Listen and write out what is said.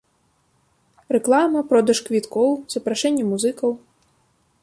Рэклама, продаж квіткоў, запрашэнне музыкаў.